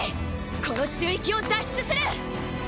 この宙域を脱出する！